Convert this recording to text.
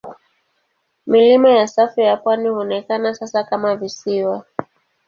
Milima ya safu ya pwani huonekana sasa kama visiwa.